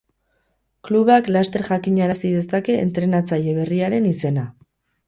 Klubak laster jakinarazi dezake entrenatzaile berriaren izena.